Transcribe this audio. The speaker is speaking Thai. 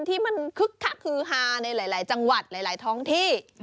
ที่มันคึกคักฮือฮาในหลายจังหวัดหลายท้องที่